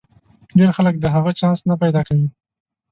ډېر خلک د هغه چانس نه پیدا کوي.